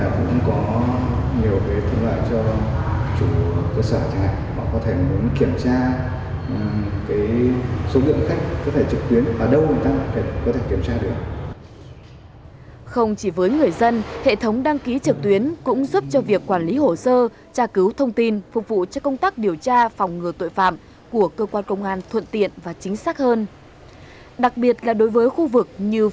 với người dân hệ thống đăng ký trực tuyến cũng giúp cho việc quản lý hồ sơ tra cứu thông tin phục vụ cho công tác điều tra phòng ngừa tội phạm của cơ quan công an thuận tiện và chính xác hơn